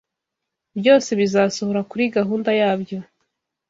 byose bizasohora kuri gahunda yabyo.